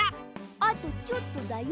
あとちょっとだよ。